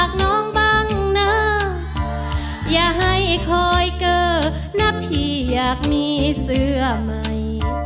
น้องบ้างนะอย่าให้คอยเกอร์นะพี่อยากมีเสื้อใหม่